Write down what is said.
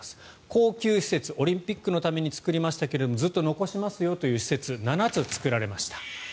恒久施設、オリンピックのために作りましたけどずっと残しますよという施設７つ作られました。